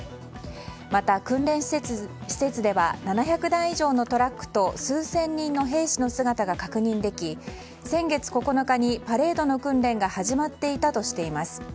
また、訓練施設では７００台以上のトラックと数千人の兵士の姿が確認でき先月９日にパレードの訓練が始まっていたとしています。